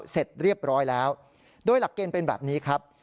เสร็จเรียบร้อยแล้วโดยหลักเกณฑ์เป็นแบบนี้ครับ